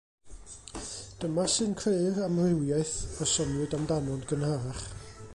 Dyma sy'n creu'r amrywiaeth y soniwyd amdano'n gynharach.